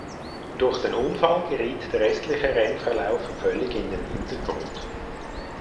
Durch den Unfall geriet der restliche Rennverlauf völlig in den Hintergrund.